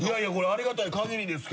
ありがたいかぎりです。